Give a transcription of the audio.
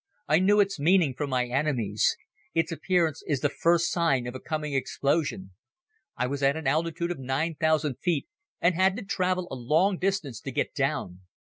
I knew its meaning from my enemies. Its appearance is the first sign of a coming explosion. I was at an altitude of nine thousand feet and had to travel a long distance to get down.